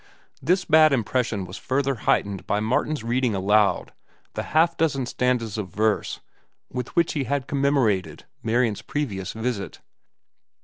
This bad impression was further heightened by Martin's reading aloud the half dozen stanzas of verse with which he had commemorated Marian's previous visit.